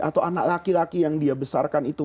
atau anak laki laki yang dia besarkan itu